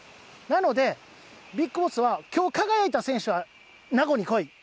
なので、ビッグボスはきょう輝いた選手は名護に来い。